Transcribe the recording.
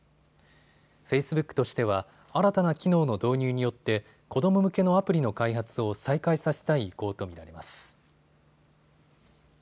フェイスブックとしては新たな機能の導入によって子ども向けのアプリの開発を再開させたい意向と見られます。